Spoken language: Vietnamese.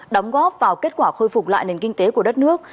đóng góp vào kết quả khôi phục lại nền kinh tế của đất nước